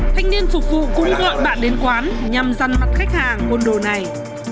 thanh niên phục vụ cũng gọi bạn đến quán nhằm dăn mặt khách hàng quần đồ này